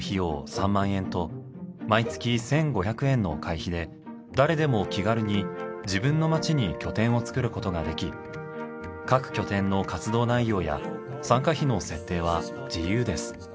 ３万円と毎月１５００円の会費で誰でも気軽に自分の街に拠点を作ることができ各拠点の活動内容や参加費の設定は自由です。